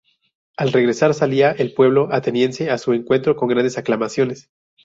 Al regresar salía el pueblo ateniense a su encuentro con grandes aclamaciones.